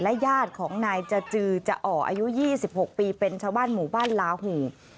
ญาติของนายจจือจะอ่ออายุ๒๖ปีเป็นชาวบ้านหมู่บ้านลาหู